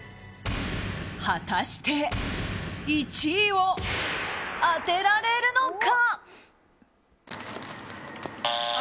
果たして、１位を当てられるのか。